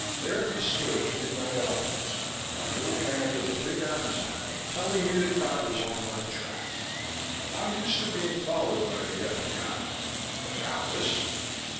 "There he stood in my office, a little man with a big Adam's apple, telling me that God was on my track. I'm used to being followed by the F.B.I., but now this!"